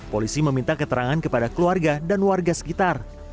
polisi meminta keterangan kepada keluarga dan warga sekitar